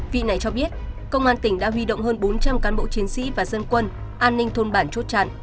vị này cho biết công an tỉnh đã huy động hơn bốn trăm linh cán bộ chiến sĩ và dân quân an ninh thôn bản chốt chặn